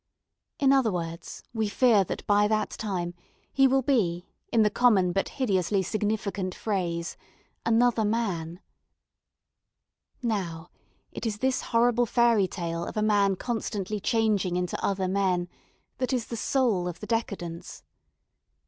In other words, we fear that by that time he will be, in the common but hideously significant phrase, another man. Now, it is this horrible fairy tale of a man constantly changing into other men that is the soul of the Decadence.